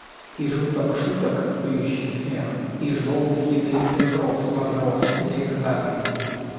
И жуток шуток клюющий смех — из желтых ядовитых роз возрос зигзагом.